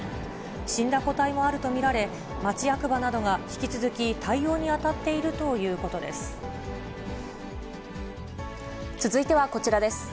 死んだ個体もあると見られ、町役場などが引き続き対応に当た続いてはこちらです。